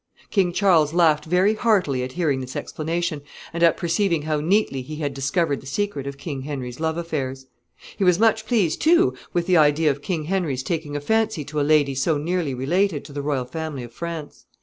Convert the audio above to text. King Charles laughed very heartily at hearing this explanation, and at perceiving how neatly he had discovered the secret of King Henry's love affairs. He was much pleased, too, with the idea of King Henry's taking a fancy to a lady so nearly related to the royal family of France.